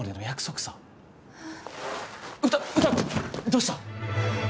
どうした？